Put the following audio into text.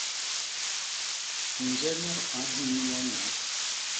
Nje nu a nhii ñño nyoo?